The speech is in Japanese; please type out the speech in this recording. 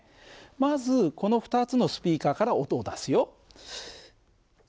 まずこの２つのスピーカーから音を出すよ。